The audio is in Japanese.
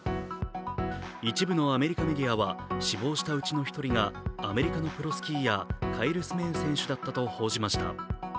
一部のアメリカメディアは死亡したうちの２人がアメリカのプロスキーヤーカイル・スメーン選手だったと報じました。